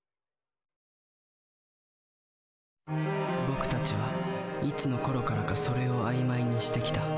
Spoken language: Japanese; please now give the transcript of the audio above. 僕たちはいつのころからか「それ」を曖昧にしてきた。